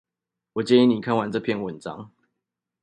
我建議你看完這篇文章